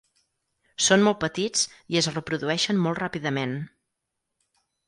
Són molt petits i es reprodueixen molt ràpidament.